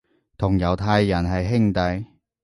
同猶太人係兄弟